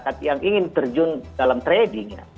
masyarakat yang ingin terjun dalam trading